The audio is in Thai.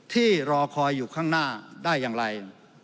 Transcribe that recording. ที่รอคอยอยู่ข้างหน้าได้อย่างไร